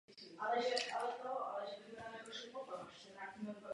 Původní výzbroj byla redukována na dvojici kulometů Vickers v bocích trupu.